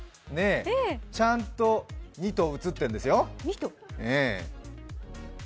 ちゃんと、２頭写ってるんですよ。